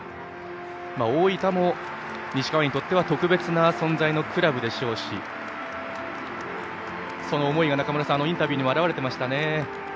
大分も、西川にとっては特別な存在のクラブでしょうしその思いが、中村さんあのインタビューにも表れていましたね。